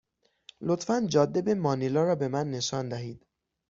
لطفا جاده به مانیلا را به من نشان دهید.